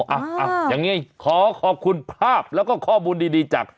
อ่ะอย่างนี้ขอขอบคุณภาพแล้วก็ข้อมูลดีจาก